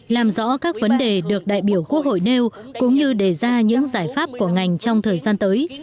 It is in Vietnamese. làm rõ các vấn đề được đại biểu quốc hội nêu cũng như đề ra những giải pháp của ngành trong thời gian tới